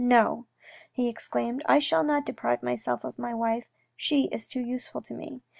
" No," he exclaimed, " I shall not deprive myself of my wife, she is too useful to me."